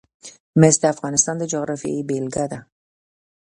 مس د افغانستان د جغرافیې بېلګه ده.